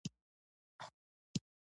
موږ لوستل کوو